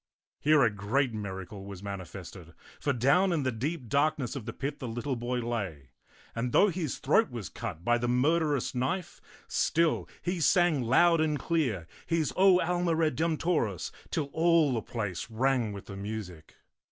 Here a great miracle was manifested, for down in the deep darkness of the pit the little boy lay ; and though his throat was cut by the murderous knife, still he sang loud and clear his O Alma Redemptoris till all the place rang with the music.